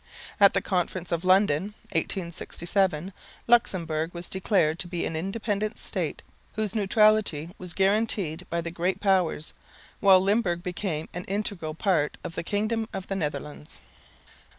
At the conference of London, 1867, Luxemburg was declared to be an independent state, whose neutrality was guaranteed by the Great Powers, while Limburg became an integral portion of the kingdom of the Netherlands.